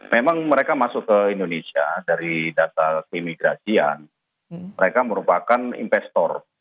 memang mereka masuk ke indonesia dari data keimigrasian mereka merupakan investor